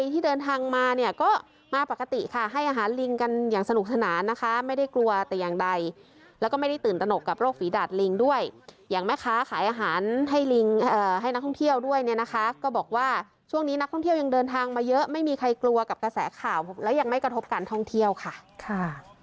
ที่เดินทางมาเนี่ยก็มาปกติค่ะให้อาหารลิงกันอย่างสนุกสนานนะคะไม่ได้กลัวแต่อย่างใดแล้วก็ไม่ได้ตื่นตนกกับโรคฝีดาดลิงด้วยอย่างแม่ค้าขายอาหารให้ลิงให้นักท่องเที่ยวด้วยเนี่ยนะคะก็บอกว่าช่วงนี้นักท่องเที่ยวยังเดินทางมาเยอะไม่มีใครกลัวกับกระแสข่าวและยังไม่กระทบการท่องเที่ยวค่ะ